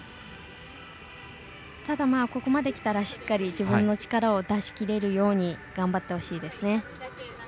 ただ、ここまできたらしっかり自分の力を出しきれるように頑張ってほしいですね。